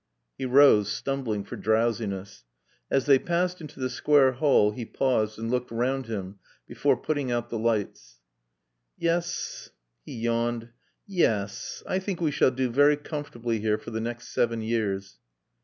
He rose, stumbling for drowsiness. As they passed into the square hall he paused and looked round him before putting out the lights. "Yes" (he yawned). "Ye hes. I think we shall do very comfortably here for the next seven years."